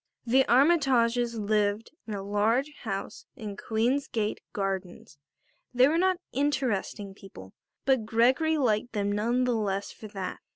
The Armytages lived in a large house in Queen's Gate Gardens. They were not interesting people, but Gregory liked them none the less for that.